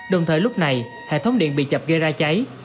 đồng thời lúc này hệ thống điện bị chập gây ra cháy